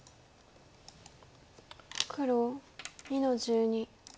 黒２の十二。